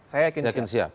saya yakin siap